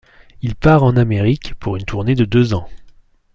Il part en Amérique, pour une tournée de deux ans.